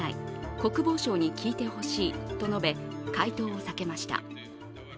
国防省に聞いてほしいと述べ、回答を避けました。